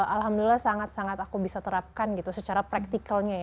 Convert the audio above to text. alhamdulillah sangat sangat aku bisa terapkan gitu secara praktikalnya ya